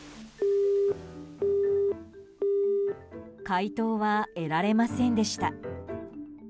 回答は得られませんでした。